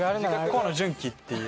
河野純喜っていう。